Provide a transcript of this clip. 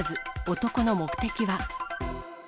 男の目的は？